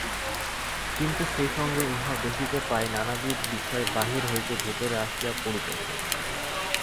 কিন্তু সেই সঙ্গে ইহাও দেখিতে পাই, নানাবিধ বিষয় বাহির হইতে ভিতরে আসিয়া পড়িতেছে।